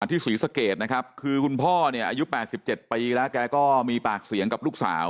ศรีสะเกดนะครับคือคุณพ่อเนี่ยอายุ๘๗ปีแล้วแกก็มีปากเสียงกับลูกสาว